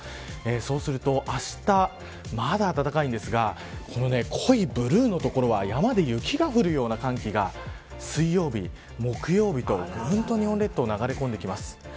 そうするとあした、まだ暖かいんですがこの濃いブルーの所は山で雪が降るような寒気が水曜日、木曜日と日本列島に流れ込んできます。